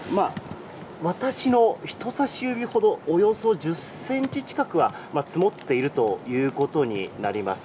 私の人差し指ほどおよそ１０ｃｍ近くは積もっているということになります。